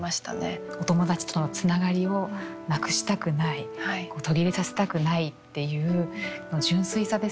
お友達とのつながりをなくしたくない途切れさせたくないっていう純粋さですかね